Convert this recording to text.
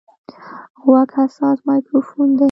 غوږ حساس مایکروفون دی.